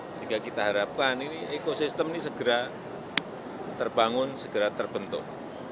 sehingga kita harapkan ini ekosistem ini segera terbangun segera terbentuk